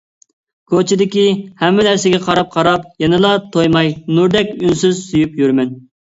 كوچىدىكى ھەممە نەرسىگە قاراپ-قاراپ يەنىلا تويماي نۇردەك ئۈنسىز سۆيۈپ يۈرىمەن.